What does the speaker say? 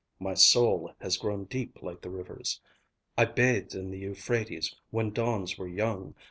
My soul has grown deep like the rivers. I bathed in the Euphrates when dawns were young.